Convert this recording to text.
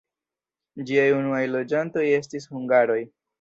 Ĝiaj unuaj loĝantoj estis hungaroj.